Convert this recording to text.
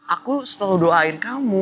aku selalu doain kamu